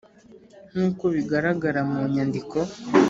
nkuko bigaragara mu nyandiko